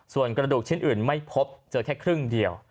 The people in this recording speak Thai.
ส่วนกระดูกชิ้นอื่นไม่พบเจอแค่ครึ่งเดียว